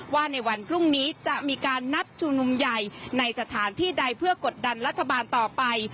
ว่าในวันพรุ่งนี้จะมีการนัดชุมนุมใหญ่ในสถานที่ใดเพื่อกดดันรัฐบาลต่อไป